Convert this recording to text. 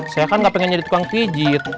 saya kan gak pengen jadi tukang pijit